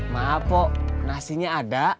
maaf pok nasinya ada